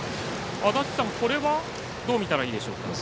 足達さん、これはどう見たらいいでしょうか？